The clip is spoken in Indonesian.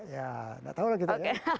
ya gak tau lah kita ya